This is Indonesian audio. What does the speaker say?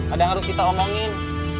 ada yang harus kita omongin